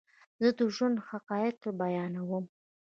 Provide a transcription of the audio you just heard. زه دژوند حقایق بیانوم